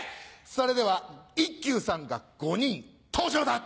それでは一休さんが５人登場だ！